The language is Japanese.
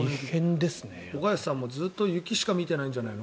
岡安さんもずっと毎日雪しか見てないんじゃないの？